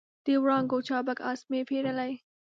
د وړانګو چابک آس مې پیرلی